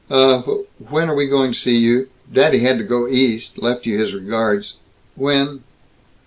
"Uh, w when are we going to see you? Daddy had to go East, left you his regards. W when